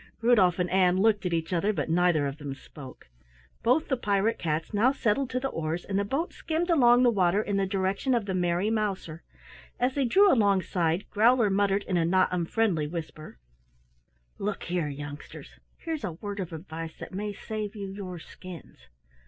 Rudolf and Ann looked at each other, but neither of them spoke. Both the pirate cats now settled to the oars and the boat skimmed along the water in the direction of the Merry Mouser. As they drew alongside, Growler muttered in a not unfriendly whisper: "Look here, youngsters, here's a word of advice that may save you your skins.